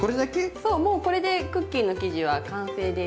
そうもうこれでクッキーの生地は完成です。